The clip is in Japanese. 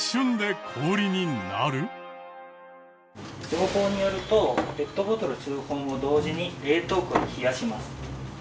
投稿によるとペットボトル数本を同時に冷凍庫で冷やします。